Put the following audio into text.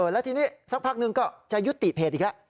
แล้วทีนี้สักพักนึงก็จะยุติเพจอีกแล้ว